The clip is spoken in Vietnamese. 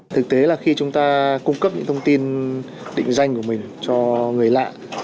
thực tế là khi chúng ta cung cấp những thông tin định danh của mình cho người lạ